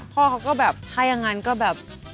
พ่อเขาก็แบบถ้าอย่างนั้นก็แบบ